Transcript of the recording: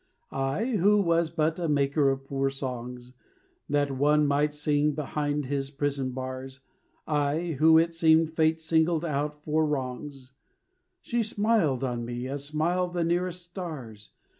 I, who was but a maker of poor songs, That one might sing behind his prison bars, I, who it seemed fate singled out for wrongs She smiled on me as smile the nearest stars.